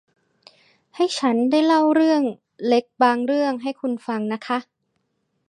ให้ฉันได้เล่าเรื่องเล็กบางเรื่องให้คุณฟังนะคะ